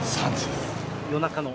夜中の？